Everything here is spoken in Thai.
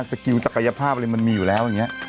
สกิลศักยภาพมันมีอยู่แล้วอย่างเงี้ย